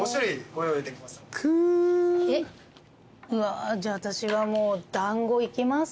うわじゃあ私はもう団子いきますか？